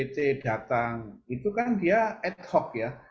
nah kalau kemudian pnpt datang itu kan dia ad hoc ya